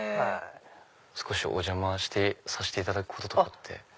お邪魔させていただくことって。